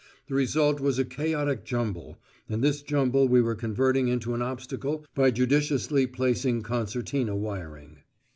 The result was a chaotic jumble, and this jumble we were converting into an obstacle by judiciously placed concertina wiring.